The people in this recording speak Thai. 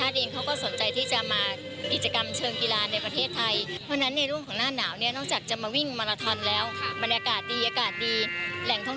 ดอกไม้ธรรมชาติอะไรต่าง